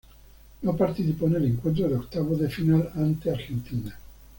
No participó en el encuentro de octavos de final ante Argentina.